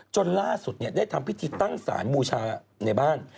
จนล่าสุดได้ทำพิธีตั้งสารบูชาในบ้าน